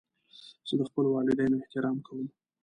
زه د خپلو والدینو احترام کوم.